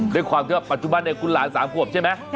ด้วยความที่ว่าปัจจุบันเนี่ยคุณหลาน๓ขวบใช่ไหม